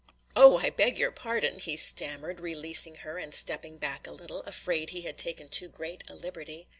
"Oh, I beg your pardon!" he stammered, releasing her and stepping back a little, afraid he had taken too great a liberty.